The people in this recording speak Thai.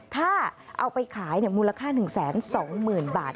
ถ้าเอาไปขายมูลค่า๑๒๐๐๐บาท